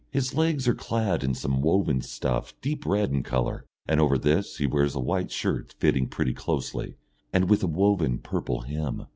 His legs are clad in some woven stuff deep red in colour, and over this he wears a white shirt fitting pretty closely, and with a woven purple hem.